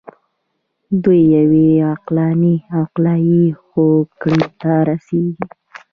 دوی یوې عقلاني او عقلایي هوکړې ته رسیږي.